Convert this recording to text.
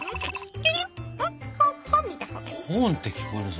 「本」って聞こえるぞ。